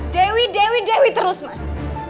dewi dewi dewi terus mas